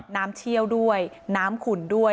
เชี่ยวด้วยน้ำขุ่นด้วย